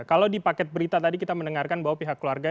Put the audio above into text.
kalau di paket berita tadi kita mendengarkan bahwa pihak keluarga